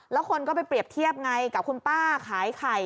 แล้วคนก็ไปเปรียบเทียบไงกับคุณป้าขายไข่